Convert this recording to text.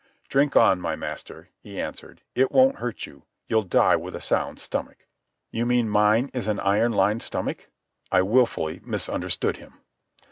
"Drink on, my master," he answered. "It won't hurt you. You'll die with a sound stomach." "You mean mine is an iron lined stomach?" I wilfully misunderstood him.